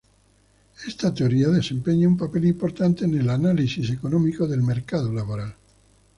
Esta teoría desempeña un papel importante en el análisis económico del mercado laboral.